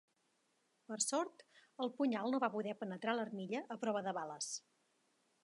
Per sort, el punyal no va poder penetrar l'armilla a prova de bales.